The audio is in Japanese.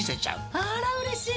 あらうれしい。